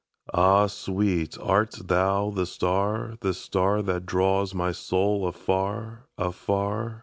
Ah, sweet, art thou the star, the starThat draws my soul afar, afar?